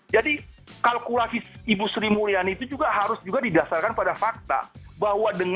jadi kalkulasi ibu sri mulyani itu juga harus didasarkan pada fakta